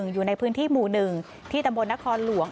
อยู่ในพื้นที่หมู่๑ที่ตำบลนครหลวง